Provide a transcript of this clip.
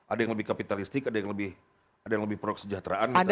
ada yang lebih kapitalistik ada yang lebih pro kesejahteraan misalnya